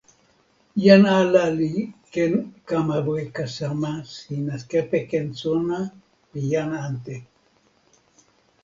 jan ala li ken kama weka sama sina kepeken sona pi jan ante.